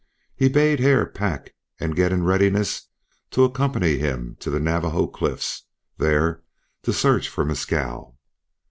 He bade Hare pack and get in readiness to accompany him to the Navajo cliffs, there to search for Mescal.